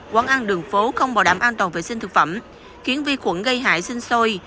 quán ăn đường phố không bảo đảm an toàn vệ sinh thực phẩm khiến vi khuẩn gây hại sinh sôi